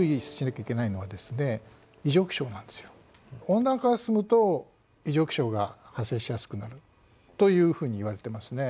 温暖化が進むと異常気象が発生しやすくなるというふうにいわれてますね。